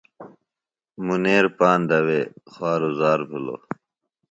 منیر پاندہ وے خواروزار بِھلوۡ۔